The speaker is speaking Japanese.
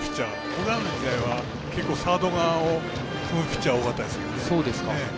僕らの時代は結構サード側を踏むピッチャー多かったですけど。